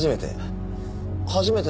初めて？